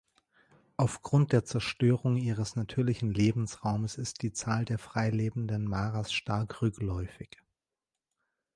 Aufgrund der Zerstörung ihres natürlichen Lebensraumes ist die Zahl der freilebenden Maras stark rückläufig.